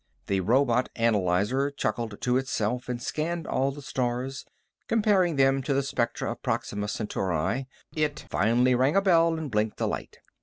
The robot analyzer chuckled to itself and scanned all the stars, comparing them to the spectra of Proxima Centauri. It finally rang a bell and blinked a light.